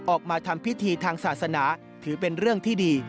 ออกมาทำพิธีทางศาสนาถือเป็นเรื่องที่ดี